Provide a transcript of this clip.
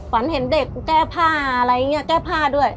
ฝันเห็นเด็กแก้ผ้าอะไรอย่างนี้แก้ผ้าด้วย